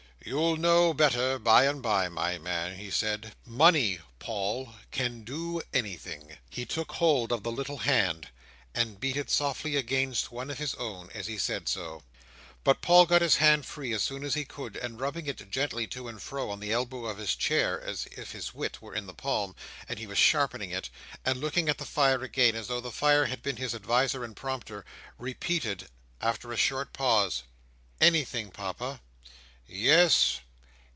"You'll know better by and by, my man," he said. "Money, Paul, can do anything." He took hold of the little hand, and beat it softly against one of his own, as he said so. But Paul got his hand free as soon as he could; and rubbing it gently to and fro on the elbow of his chair, as if his wit were in the palm, and he were sharpening it—and looking at the fire again, as though the fire had been his adviser and prompter—repeated, after a short pause: "Anything, Papa?" "Yes.